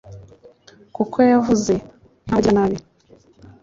kuko yavuze nk'abagiranabi